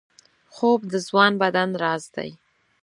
خوب د ځوان بدن راز دی